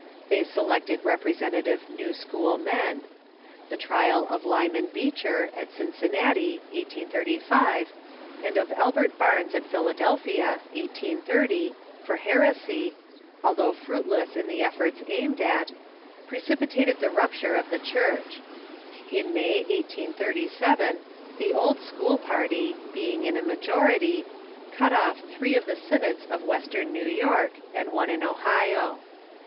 They selected representative New School men. The trial of Lyman Beecher at Cincinnati (1835), and of Albert Barnes at Philadelphia (1830), for heresy, although fruitless in the results aimed at, precipitated the rupture of the Church. In May, 1837, the Old School party, being in a majority, cut off three of the synods of Western New York, and one in Ohio.